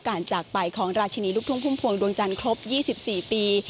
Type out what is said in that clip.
จากไปของราชินีลูกทุ่งพุ่มพวงดวงจันทร์ครบ๒๔ปี